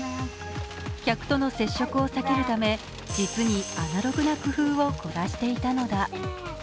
客との接触を避けるため実にアナログな工夫をこらしていたのだ。